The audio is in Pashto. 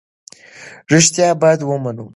رښتیا باید ومنو.